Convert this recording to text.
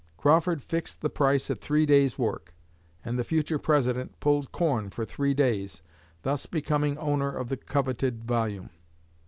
Crawford fixed the price at three days' work, and the future President pulled corn for three days, thus becoming owner of the coveted volume."